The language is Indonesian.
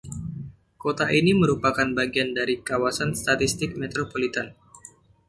Kota ini merupakan bagian dari kawasan statistik metropolitan.